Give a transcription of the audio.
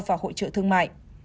và hội trợ thương mại